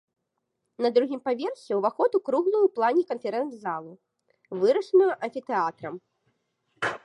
На другім паверсе ўваход у круглую ў плане канферэнц-залу, вырашаную амфітэатрам.